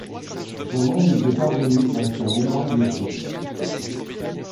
Son nom nous est parvenu grâce à au moins deux sources.